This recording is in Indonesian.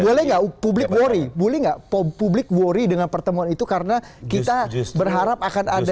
boleh nggak publik worry boleh nggak publik worry dengan pertemuan itu karena kita berharap akan ada